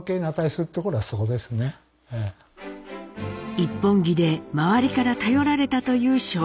一本気で周りから頼られたという正一。